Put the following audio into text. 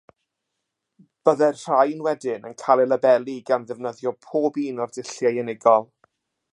Byddai'r rhain wedyn yn cael eu labelu gan ddefnyddio pob un o'r dulliau unigol.